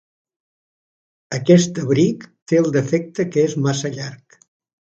Aquest abric té el defecte que és massa llarg.